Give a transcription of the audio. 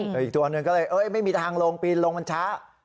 แต่อีกตัวหนึ่งก็เลยไม่มีทางลงปีนลงมันช้า